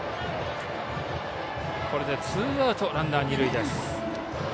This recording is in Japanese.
これでツーアウトランナー、二塁です。